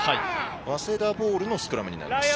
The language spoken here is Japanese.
早稲田ボールのスクラムです。